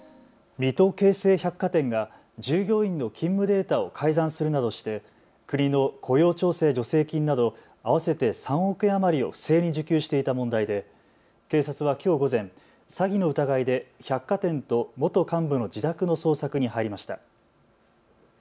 水戸京成百貨店が従業員の勤務データを改ざんするなどして国の雇用調整助成金など合わせて３億円余りを不正に受給していた問題で警察はきょう午前、詐欺の疑いで百貨店と元幹部の自宅の捜索に入りました。